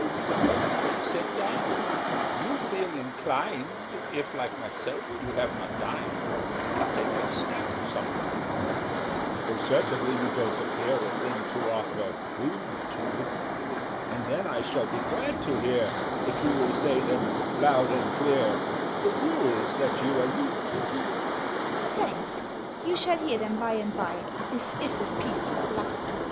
But pray sit down: you'll feel inclined (If, like myself, you have not dined) To take a snack of something: "Though, certainly, you don't appear A thing to offer food to! And then I shall be glad to hear If you will say them loud and clear The Rules that you allude to." "Thanks! You shall hear them by and by This is a piece of luck!"